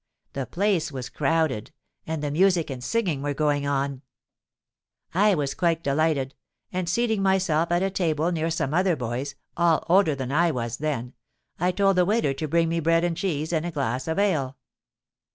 The place was crowded; and the music and singing were going on. I was quite delighted, and, seating myself at a table near some other boys, all older than I was then, I told the waiter to bring me bread and cheese and a glass of ale.